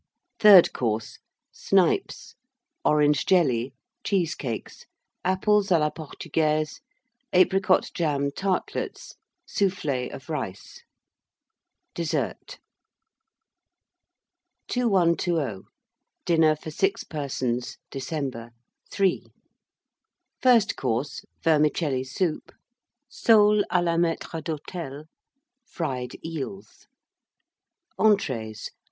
THIRD COURSE. Snipes. Orange Jelly. Cheesecakes. Apples à la Portugaise. Apricot jam Tartlets. Soufflé of Rice. DESSERT. 2120. DINNER FOR 6 PERSONS (December). III. FIRST COURSE. Vermicelli Soup. Soles à la Maître d'Hôtel. Fried Eels. ENTREES.